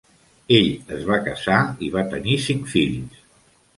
Ell es va casar i va tenir cinc fills.